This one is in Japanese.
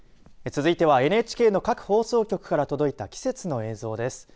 続いてはＮＨＫの各放送局から届いた季節の映像です。